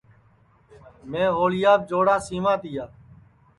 میں ہوݪیاپ جوڑا سیواں تیا